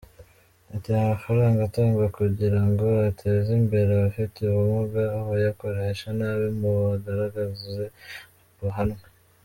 Ati “Aya mafaranga atangwa kugira ngo ateze imbere abafite ubumuga, abayakoresha nabi mubagaragaze bahanwe.